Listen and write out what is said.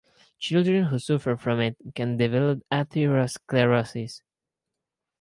Children who suffer from it can develop atherosclerosis.